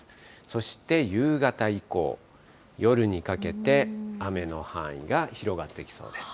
そして夕方以降、夜にかけて、雨の範囲が広がってきそうです。